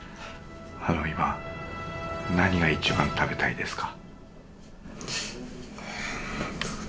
あの今何が一番食べたいですか？